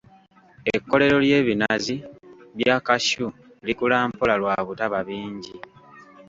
Ekkolero ly'ebinazi bya cashew likula mpola lwa butaba bingi.